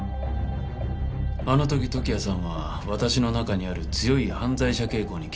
あの時時矢さんは私の中にある強い犯罪者傾向に気がついたんですね。